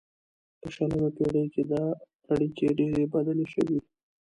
په شلمه پیړۍ کې دا اړیکې ډیرې بدلې شوې